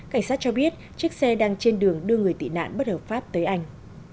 cảnh sát cho biết chiếc xe đang trên đường đưa người tị nạn bất hợp pháp tới anh